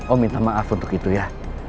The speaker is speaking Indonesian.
oh minta maaf untuk itu ya